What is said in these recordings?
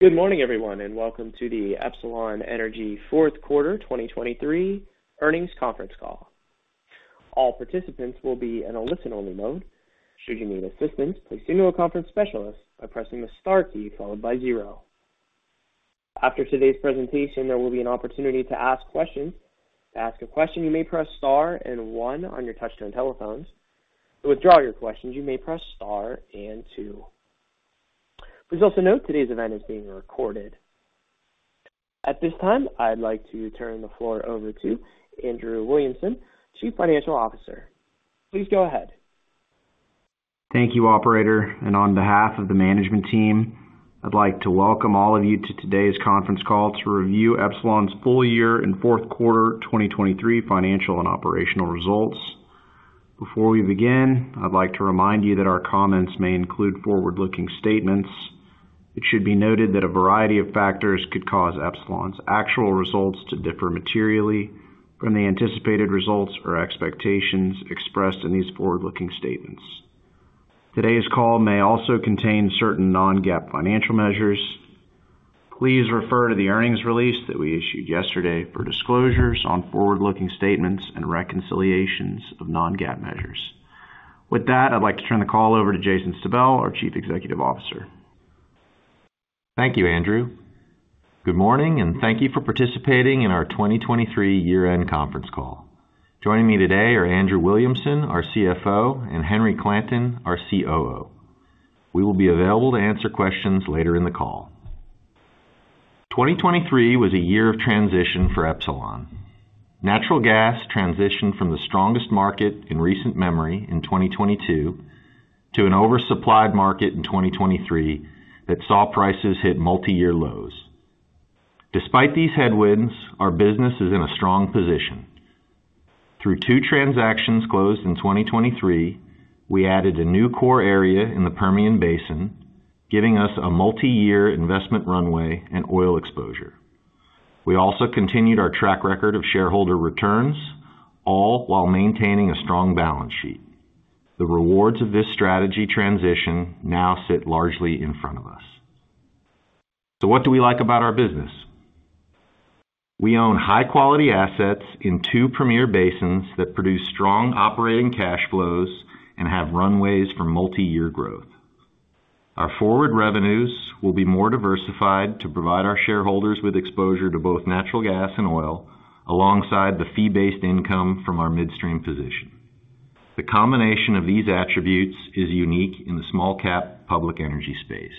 Good morning, everyone, and welcome to the Epsilon Energy Fourth Quarter 2023 Earnings Conference Call. All participants will be in a listen-only mode. Should you need assistance, please signal a conference specialist by pressing the star key followed by zero. After today's presentation, there will be an opportunity to ask questions. To ask a question, you may press star and one on your touch-tone telephones. To withdraw your questions, you may press star and two. Please also note today's event is being recorded. At this time, I'd like to turn the floor over to Andrew Williamson, Chief Financial Officer. Please go ahead. Thank you, Operator. On behalf of the management team, I'd like to welcome all of you to today's conference call to review Epsilon's full year and fourth quarter 2023 financial and operational results. Before we begin, I'd like to remind you that our comments may include forward-looking statements. It should be noted that a variety of factors could cause Epsilon's actual results to differ materially from the anticipated results or expectations expressed in these forward-looking statements. Today's call may also contain certain non-GAAP financial measures. Please refer to the earnings release that we issued yesterday for disclosures on forward-looking statements and reconciliations of non-GAAP measures. With that, I'd like to turn the call over to Jason Stabell, our Chief Executive Officer. Thank you, Andrew. Good morning, and thank you for participating in our 2023 year-end conference call. Joining me today are Andrew Williamson, our CFO, and Henry Clanton, our COO. We will be available to answer questions later in the call. 2023 was a year of transition for Epsilon. Natural gas transitioned from the strongest market in recent memory in 2022 to an oversupplied market in 2023 that saw prices hit multi-year lows. Despite these headwinds, our business is in a strong position. Through two transactions closed in 2023, we added a new core area in the Permian Basin, giving us a multi-year investment runway and oil exposure. We also continued our track record of shareholder returns, all while maintaining a strong balance sheet. The rewards of this strategy transition now sit largely in front of us. So what do we like about our business? We own high-quality assets in two premier basins that produce strong operating cash flows and have runways for multi-year growth. Our forward revenues will be more diversified to provide our shareholders with exposure to both natural gas and oil alongside the fee-based income from our midstream position. The combination of these attributes is unique in the small-cap public energy space.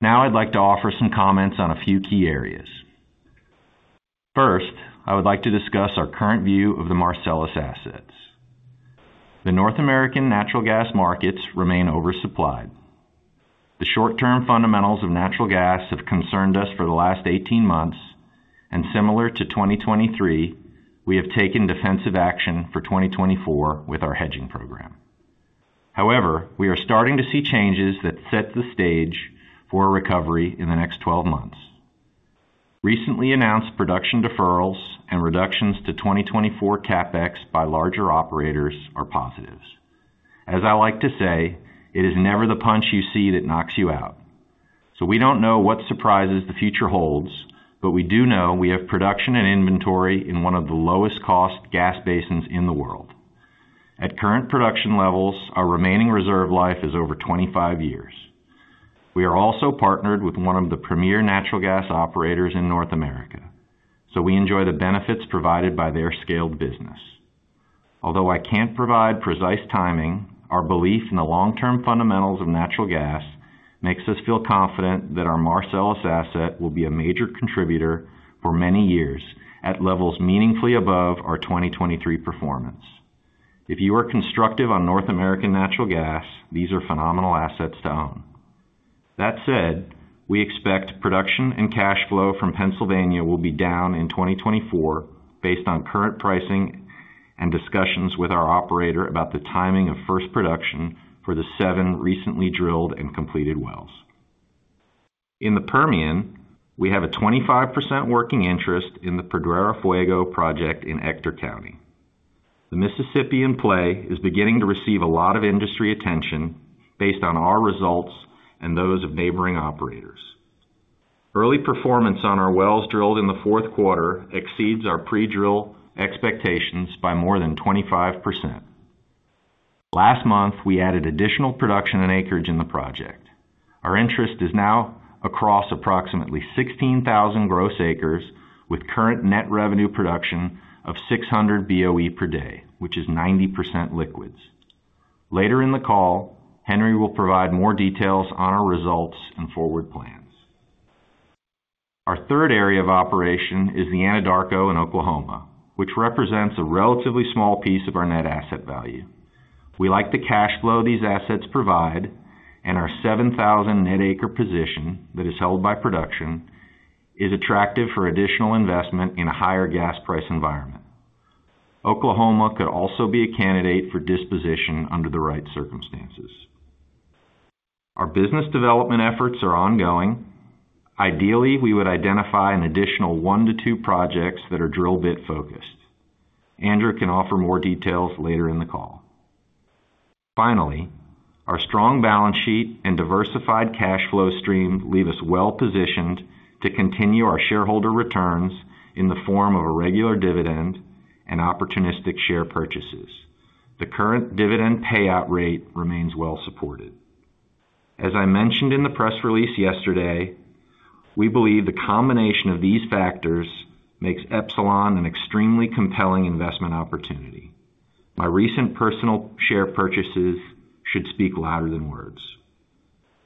Now I'd like to offer some comments on a few key areas. First, I would like to discuss our current view of the Marcellus assets. The North American natural gas markets remain oversupplied. The short-term fundamentals of natural gas have concerned us for the last 18 months, and similar to 2023, we have taken defensive action for 2024 with our hedging program. However, we are starting to see changes that set the stage for a recovery in the next 12 months. Recently announced production deferrals and reductions to 2024 CapEx by larger operators are positives. As I like to say, it is never the punch you see that knocks you out. So we don't know what surprises the future holds, but we do know we have production and inventory in one of the lowest-cost gas basins in the world. At current production levels, our remaining reserve life is over 25 years. We are also partnered with one of the premier natural gas operators in North America, so we enjoy the benefits provided by their scaled business. Although I can't provide precise timing, our belief in the long-term fundamentals of natural gas makes us feel confident that our Marcellus asset will be a major contributor for many years at levels meaningfully above our 2023 performance. If you are constructive on North American natural gas, these are phenomenal assets to own. That said, we expect production and cash flow from Pennsylvania will be down in 2024 based on current pricing and discussions with our operator about the timing of first production for the seven recently drilled and completed wells. In the Permian, we have a 25% working interest in the Pradera Fuego project in Ector County. The Mississippian play is beginning to receive a lot of industry attention based on our results and those of neighboring operators. Early performance on our wells drilled in the fourth quarter exceeds our pre-drill expectations by more than 25%. Last month, we added additional production and acreage in the project. Our interest is now across approximately 16,000 gross acres with current net revenue production of 600 BOE per day, which is 90% liquids. Later in the call, Henry will provide more details on our results and forward plans. Our third area of operation is the Anadarko in Oklahoma, which represents a relatively small piece of our net asset value. We like the cash flow these assets provide, and our 7,000-net-acre position that is held by production is attractive for additional investment in a higher gas price environment. Oklahoma could also be a candidate for disposition under the right circumstances. Our business development efforts are ongoing. Ideally, we would identify an additional one to two projects that are drill bit focused. Andrew can offer more details later in the call. Finally, our strong balance sheet and diversified cash flow stream leave us well positioned to continue our shareholder returns in the form of a regular dividend and opportunistic share purchases. The current dividend payout rate remains well supported. As I mentioned in the press release yesterday, we believe the combination of these factors makes Epsilon an extremely compelling investment opportunity. My recent personal share purchases should speak louder than words.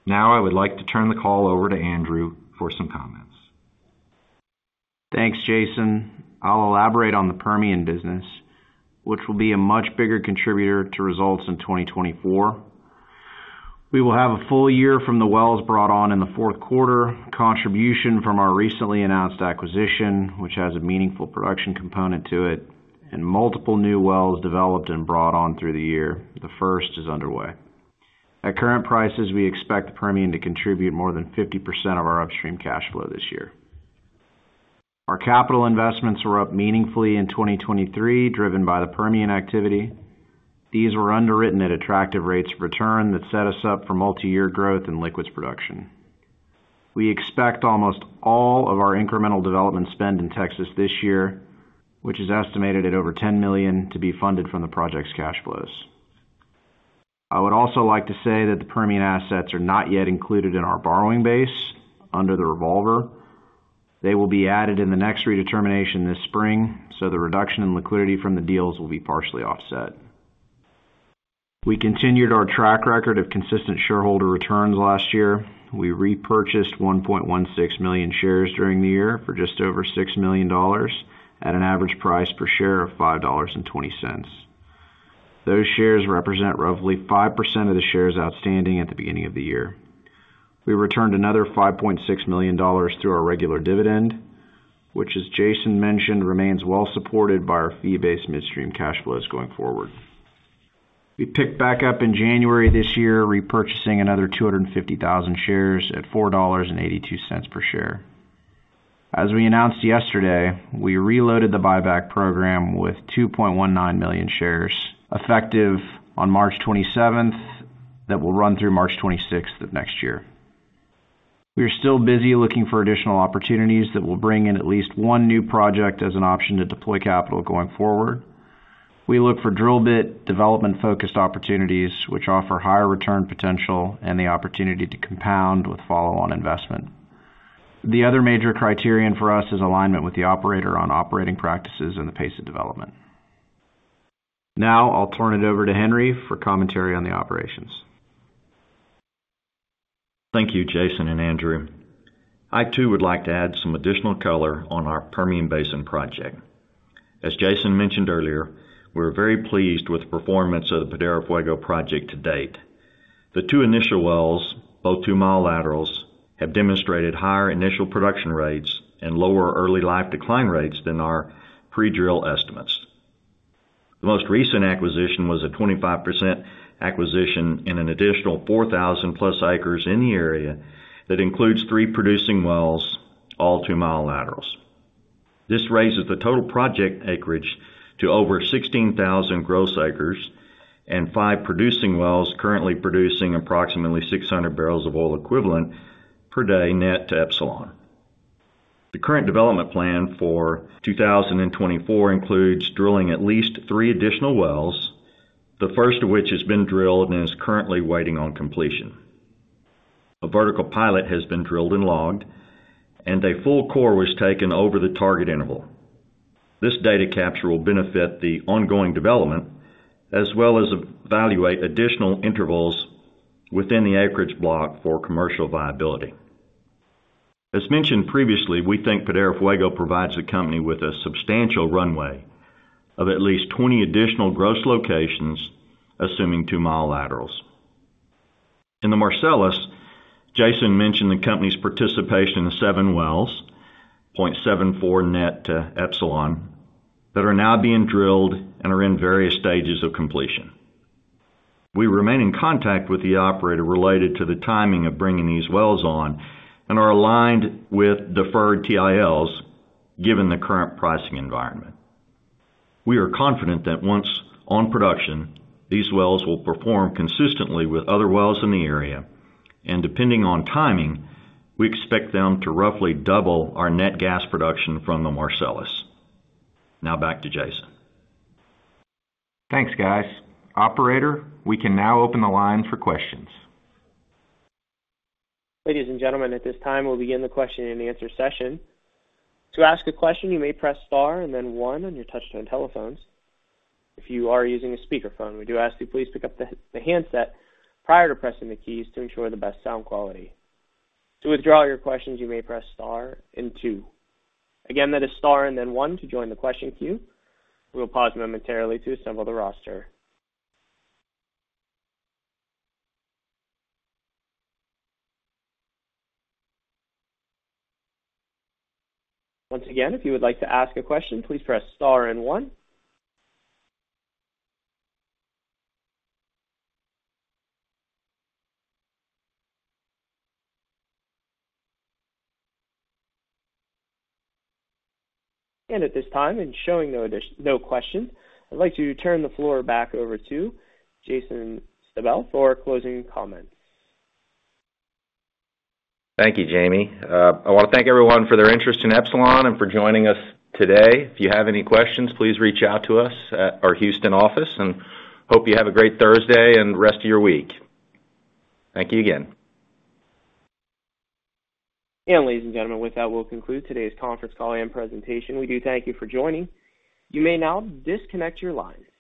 Now I would like to turn the call over to Andrew for some comments. Thanks, Jason. I'll elaborate on the Permian business, which will be a much bigger contributor to results in 2024. We will have a full year from the wells brought on in the fourth quarter, contribution from our recently announced acquisition, which has a meaningful production component to it, and multiple new wells developed and brought on through the year. The first is underway. At current prices, we expect the Permian to contribute more than 50% of our upstream cash flow this year. Our capital investments were up meaningfully in 2023, driven by the Permian activity. These were underwritten at attractive rates of return that set us up for multi-year growth and liquids production. We expect almost all of our incremental development spend in Texas this year, which is estimated at over $10 million, to be funded from the project's cash flows. I would also like to say that the Permian assets are not yet included in our borrowing base under the revolver. They will be added in the next redetermination this spring, so the reduction in liquidity from the deals will be partially offset. We continued our track record of consistent shareholder returns last year. We repurchased 1.16 million shares during the year for just over $6 million at an average price per share of $5.20. Those shares represent roughly 5% of the shares outstanding at the beginning of the year. We returned another $5.6 million through our regular dividend, which, as Jason mentioned, remains well supported by our fee-based midstream cash flows going forward. We picked back up in January this year, repurchasing another 250,000 shares at $4.82 per share. As we announced yesterday, we reloaded the buyback program with 2.19 million shares effective on March 27th that will run through March 26th of next year. We are still busy looking for additional opportunities that will bring in at least one new project as an option to deploy capital going forward. We look for drill bit development-focused opportunities, which offer higher return potential and the opportunity to compound with follow-on investment. The other major criterion for us is alignment with the operator on operating practices and the pace of development. Now I'll turn it over to Henry for commentary on the operations. Thank you, Jason and Andrew. I too would like to add some additional color on our Permian Basin project. As Jason mentioned earlier, we're very pleased with the performance of the Pradera Fuego project to date. The two initial wells, both two-mile laterals, have demonstrated higher initial production rates and lower early-life decline rates than our pre-drill estimates. The most recent acquisition was a 25% acquisition in an additional 4,000+ acres in the area that includes three producing wells, all two-mile laterals. This raises the total project acreage to over 16,000 gross acres and five producing wells currently producing approximately 600 barrels of oil equivalent per day net to Epsilon. The current development plan for 2024 includes drilling at least three additional wells, the first of which has been drilled and is currently waiting on completion. A vertical pilot has been drilled and logged, and a full core was taken over the target interval. This data capture will benefit the ongoing development as well as evaluate additional intervals within the acreage block for commercial viability. As mentioned previously, we think Pradera Fuego provides the company with a substantial runway of at least 20 additional gross locations, assuming 2-mile laterals. In the Marcellus, Jason mentioned the company's participation in the seven wells, 0.74 net to Epsilon, that are now being drilled and are in various stages of completion. We remain in contact with the operator related to the timing of bringing these wells on and are aligned with deferred TILs given the current pricing environment. We are confident that once on production, these wells will perform consistently with other wells in the area, and depending on timing, we expect them to roughly double our net gas production from the Marcellus. Now back to Jason. Thanks, guys. Operator, we can now open the lines for questions. Ladies and gentlemen, at this time, we'll begin the question and answer session. To ask a question, you may press star and then one on your touch-tone telephones. If you are using a speakerphone, we do ask that you please pick up the handset prior to pressing the keys to ensure the best sound quality. To withdraw your questions, you may press star and two. Again, that is star and then one to join the question queue. We'll pause momentarily to assemble the roster. Once again, if you would like to ask a question, please press star and one. And at this time, and showing no questions, I'd like to turn the floor back over to Jason Stabell for closing comments. Thank you, Jamie. I want to thank everyone for their interest in Epsilon and for joining us today. If you have any questions, please reach out to us at our Houston office, and hope you have a great Thursday and rest of your week. Thank you again. Ladies and gentlemen, with that, we'll conclude today's conference call and presentation. We do thank you for joining. You may now disconnect your lines.